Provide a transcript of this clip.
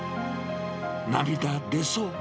涙出そう！